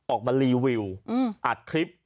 ออกมารีวิวอัดคลิป